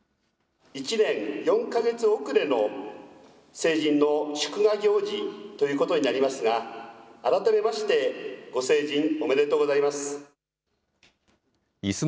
１年４か月遅れの成人の祝賀行事ということになりますが、改めまして、ご成人おめでとうございます。